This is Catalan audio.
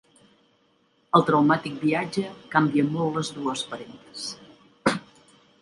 El traumàtic viatge canvia molt les dues parentes.